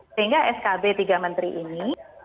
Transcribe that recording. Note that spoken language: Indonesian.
ketika dikabir tiga menteri ini